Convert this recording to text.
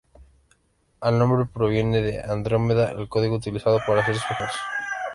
El nombre proviene de Andrómeda, el código utilizado para hacer sus juegos.